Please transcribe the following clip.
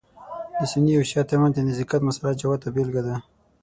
د سني او شعیه تر منځ د نزدېکت مسأله جوته بېلګه ده.